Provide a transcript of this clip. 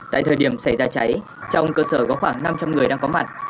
tại thời điểm xảy ra cháy trong cơ sở có khoảng năm trăm linh người đang có mặt